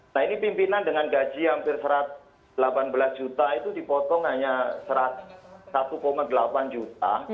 nah ini pimpinan dengan gaji hampir delapan belas juta itu dipotong hanya satu delapan juta